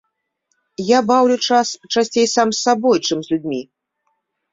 Я баўлю час часцей сам з сабой, чым з людзьмі.